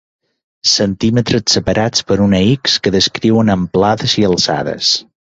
Centímetres separats per una ics que descriuen amplades i alçades.